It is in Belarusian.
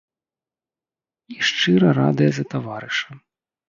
І шчыра радыя за таварыша.